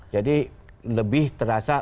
jadi lebih terasa